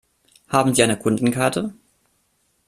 Haben Sie eine Kundenkarte?